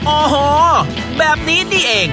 โอ้โหแบบนี้นี่เอง